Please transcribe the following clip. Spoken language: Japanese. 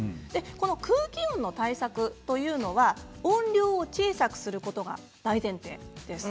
空気音の対策は音量を小さくすることが大前提です。